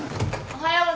おはよう。